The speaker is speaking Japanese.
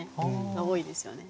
が多いですよね。